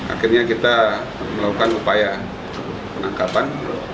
akhirnya kita melakukan upaya penangkapan